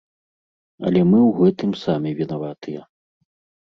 Але мы ў гэтым самі вінаватыя.